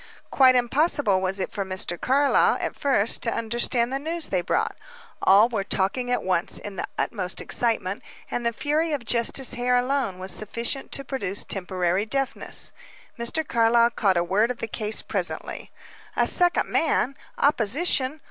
Quite impossible was it for Mr. Carlyle, at first, to understand the news they brought. All were talking at once, in the utmost excitement; and the fury of Justice Hare alone was sufficient to produce temporary deafness. Mr. Carlyle caught a word of the case presently. "A second man? Opposition?